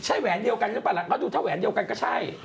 ใช่แหวนเดียวกันหรือเปล่าล่ะเขาดูถ้าแหวนเดียวกันก็ใช่